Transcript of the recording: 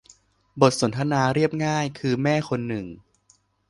บทสนทนาเรียบง่ายคือแม่คนหนึ่ง